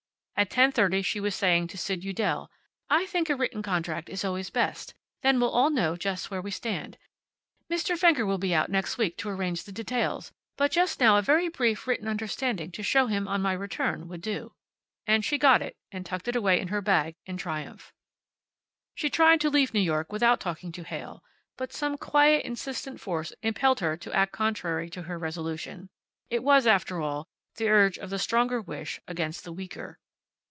At ten thirty she was saying to Sid Udell, "I think a written contract is always best. Then we'll all know just where we stand. Mr. Fenger will be on next week to arrange the details, but just now a very brief written understanding to show him on my return would do." And she got it, and tucked it away in her bag, in triumph. She tried to leave New York without talking to Heyl, but some quiet, insistent force impelled her to act contrary to her resolution. It was, after all, the urge of the stronger wish against the weaker.